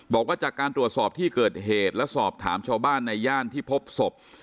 บอกว่าจากการตรวจสอบที่เกิดเหตุและสอบถามชาวบ้านในย่านที่พบศพ